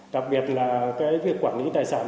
đặc biệt là việc quản lý tài sản